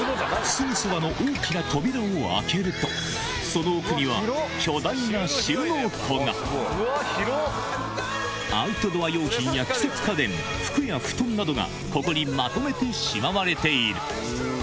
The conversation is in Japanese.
すぐそばの大きな扉を開けるとその奥には服や布団などがここにまとめてしまわれている